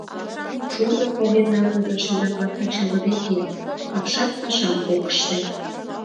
Шурно поген налме машина-влак ачалыде кият, апшат пашам ок ыште.